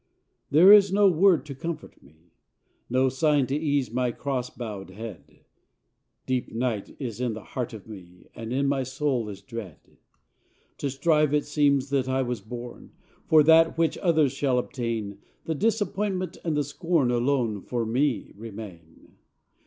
There is no word to comfort me; No sign to ease my cross bowed head: Deep night is in the heart of me, And in my soul is dread. To strive, it seems, that I was born, For that which others shall obtain; The disappointment and the scorn Alone for me remain.